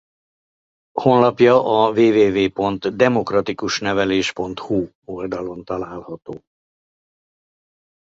Honlapja a www.demokratikusneveles.hu oldalon található.